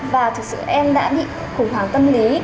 và thực sự em đã bị khủng hoảng tâm lý